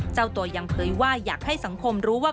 เจ้าตัวยังเผยว่าอยากให้สังคมรู้ว่า